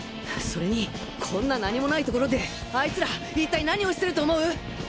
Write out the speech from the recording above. それにこんな何もないところであいつら一体何をしてると思う？